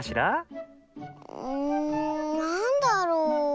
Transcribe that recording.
うんなんだろう。